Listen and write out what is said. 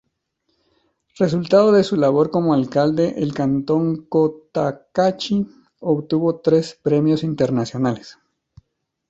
Resultado de su labor como alcalde el cantón Cotacachi obtuvo tres premios internacionales.